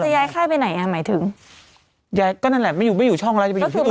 ยายค่ายไปไหนอ่ะหมายถึงยายก็นั่นแหละไม่อยู่ไม่อยู่ช่องแล้วจะไปอยู่ที่ไหน